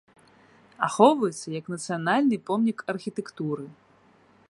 Ахоўваецца як нацыянальны помнік архітэктуры.